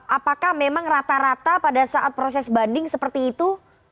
apakah memang rata rata pada saat proses banding seperti itu